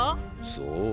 そう。